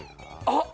あっ！